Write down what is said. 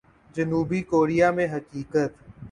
جنوبی کوریا میں حقیقت۔